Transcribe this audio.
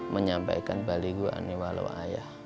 menyampaikan bali guani walawayah